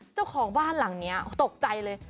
เจ้าของบ้านหลังนี้ตกใจเลย